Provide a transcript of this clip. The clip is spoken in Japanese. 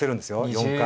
４回。